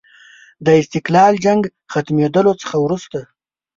د استقلال جنګ ختمېدلو څخه وروسته.